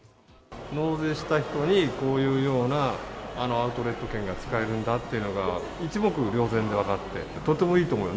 納税した人にこういうようなアウトレット券が使えるんだっていうのが一目瞭然で分かって、とてもいいと思う。